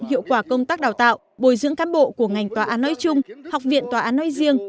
hiệu quả công tác đào tạo bồi dưỡng cán bộ của ngành tòa án nói chung học viện tòa án nói riêng